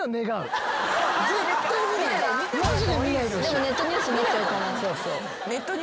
でもネットニュースになっちゃうから。